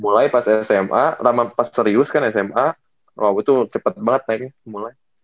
mulai pas sma pas serius kan sma waktu itu cepet banget naiknya mulai